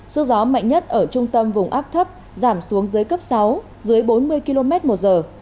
sức gió mạnh nhất ở trung tâm vùng áp thấp giảm xuống dưới cấp sáu dưới bốn mươi km một giờ